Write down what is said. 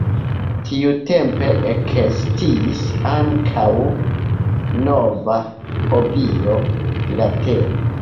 Tiutempe ekestis ankaŭ nova hobio: Filatelo.